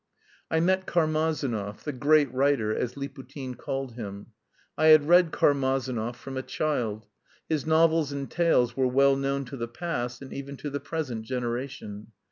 I met Karmazinov, "the great writer," as Liputin called him. I had read Karmazinov from a child. His novels and tales were well known to the past and even to the present generation.